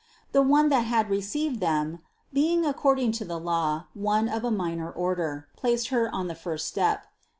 The one that had received them, being according to the law one of a minor order, placed Her on the first step.